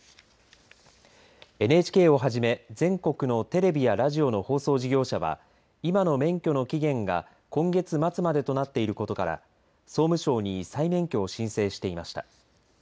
ＮＨＫをはじめ、全国のテレビやラジオの放送事業者は今の免許の期限が今月末までとなっていることから総務省に再免許を申請していました。